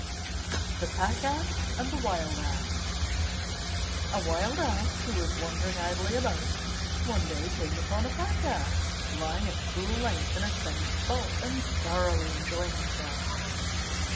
THE PACK ASS AND THE WILD ASS A Wild Ass, who was wandering idly about, one day came upon a Pack Ass lying at full length in a sunny spot and thoroughly enjoying himself.